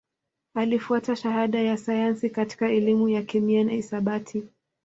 Alifuata Shahada ya Sayansi katika Elimu ya Kemia na Hisabati